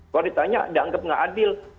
kalau di tanya dianggap nggak adil